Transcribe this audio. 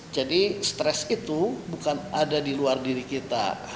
jadi stres itu bukan ada di luar diri kita